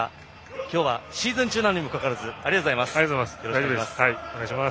今日はシーズン中にもかかわらずありがとうございます。